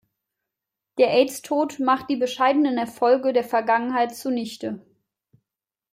Der Aidstod macht die bescheidenen Erfolge der Vergangenheit zunichte.